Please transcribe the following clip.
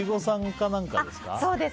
そうです。